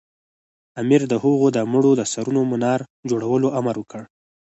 امیر د هغوی د مړو د سرونو منار جوړولو امر وکړ.